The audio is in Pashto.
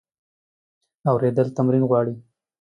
اورېدل تمرین غواړي.